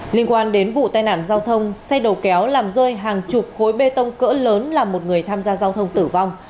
liên quan đến vụ tai nạn giao thông xe đầu kéo làm rơi hàng chục khối bê tông cỡ lớn làm một người tham gia giao thông tử vong